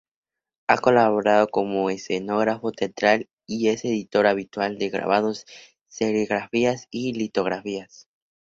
Ha colaborado como escenógrafo teatral y es editor habitual de grabados, serigrafías y litografías.